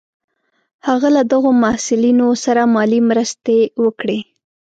هغه له دغو محصلینو سره مالي مرستې وکړې.